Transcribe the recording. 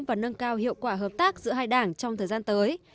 và nâng cao hiệu quả hợp tác giữa hai đảng trong thời gian tới